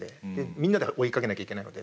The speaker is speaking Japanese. みんなで追いかけなきゃいけないので。